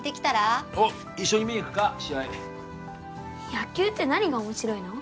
野球って何が面白いの？